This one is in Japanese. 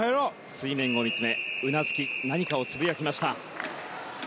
水面を見つめ、うなずき何かをつぶやきました。